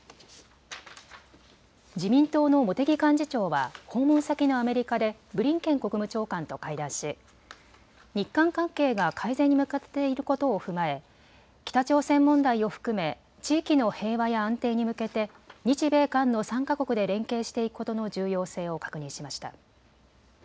自民党の茂木幹事長は訪問先のアメリカでブリンケン国務長官と会談し、日韓関係が改善に向かっていることを踏まえ北朝鮮問題を含め地域の平和や安定に向けて日米韓の３か国で連携していくことの重要性を確認しました。